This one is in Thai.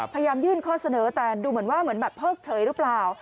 พยายามยื่นข้อเสนอแต่ดูเหมือนว่าเหมือนแบบเพิกเฉยหรือเปล่า